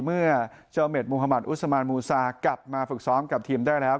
เมื่อเจ้าเม็ดมุธมัติอุสมานมูซากลับมาฝึกซ้อมกับทีมได้แล้ว